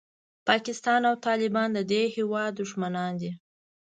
پاکستان او طالبان د دې هېواد دښمنان دي.